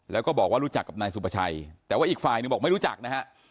แล้วก็บอกว่ารู้จักกับนายสุภาชัยแต่ว่าอีกฝ่ายหนึ่งบอกไม่รู้จักนะฮะ